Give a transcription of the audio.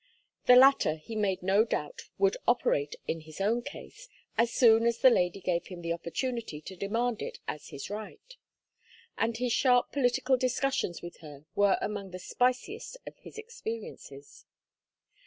The latter he made no doubt would operate in his own case as soon as the lady gave him the opportunity to demand it as his right; and his sharp political discussions with her were among the spiciest of his experiences.